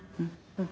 うん。